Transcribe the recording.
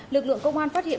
lực lượng công an phát hiện